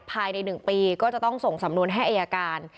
ภายใน๑ปีก็จะต้องส่งสำนวนให้อายการ